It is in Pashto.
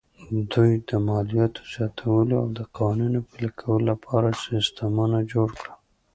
دوی د مالیاتو زیاتولو او د قوانینو پلي کولو لپاره سیستمونه جوړ کړل